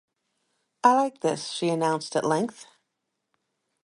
“I like this,” she announced at length.